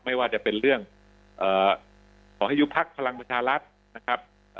ไม่ว่าจะเป็นเรื่องขอให้ยุบพักพลังประชารัฐนะครับ